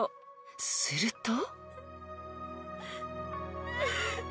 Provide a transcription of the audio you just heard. ［すると］